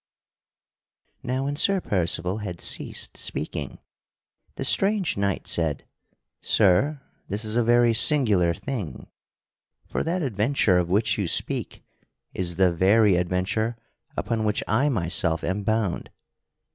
Now, when Sir Percival had ceased speaking, the strange knight said: "Sir, this is a very singular thing: for that adventure of which you speak is the very adventure upon which I myself am bound.